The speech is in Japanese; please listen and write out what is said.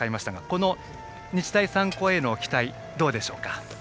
この日大三高への期待どうでしょうか。